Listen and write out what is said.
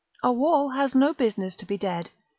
A wall has no business to be dead.